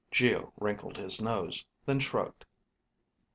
Geo wrinkled his nose, then shrugged.